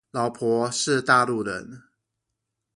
老婆是大陸人